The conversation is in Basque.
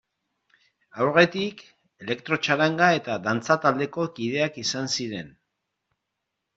Aurretik, elektrotxaranga eta dantza taldeko kideak izan ziren.